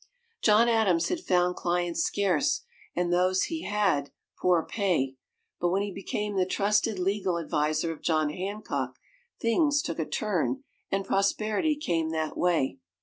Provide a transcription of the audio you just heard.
John Adams had found clients scarce, and those he had, poor pay, but when he became the trusted legal adviser of John Hancock, things took a turn and prosperity came that way.